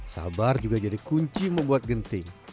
sabar juga jadi kunci membuat genting